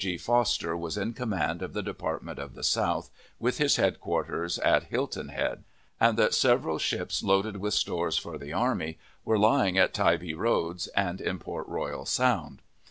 G. Foster was in command of the Department of the South, with his headquarters at Hilton Head; and that several ships loaded with stores for the army were lying in Tybee Roads and in Port Royal Sound.